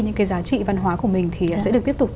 những cái giá trị văn hóa của mình thì sẽ được tiếp tục